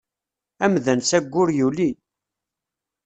Amdan s aggur yuli.